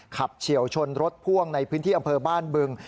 เฉียวชนรถพ่วงในพื้นที่อำเภอบ้านบึง